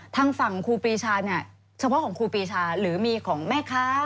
ทางฝั่งครูปีชาเนี่ยเฉพาะของครูปีชาหรือมีของแม่ค้า